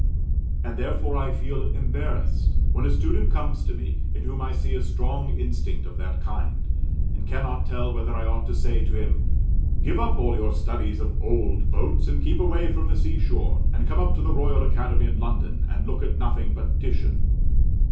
And therefore I feel embarrassed when a student comes to me, in whom I see a strong instinct of that kind: and cannot tell whether I ought to say to him, "Give up all your studies of old boats, and keep away from the sea shore, and come up to the Royal Academy in London, and look at nothing but Titian."